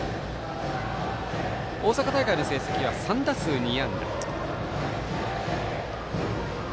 大阪大会の成績は３打数２安打。